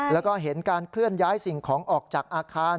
แล้วก็เห็นการเคลื่อนย้ายสิ่งของออกจากอาคาร